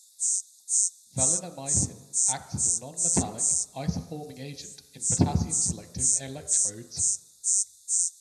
Valinomycin acts as a nonmetallic isoforming agent in potassium selective electrodes.